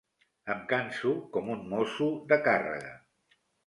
Em canso com un mosso de càrrega.